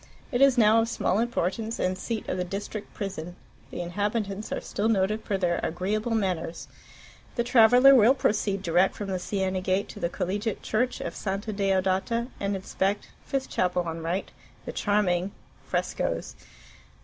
It is now of small importance, and seat of the district prison. The inhabitants are still noted for their agreeable manners. The traveller will proceed direct from the Siena gate to the Collegiate Church of Santa Deodata, and inspect (5th chapel on right) the charming Frescoes....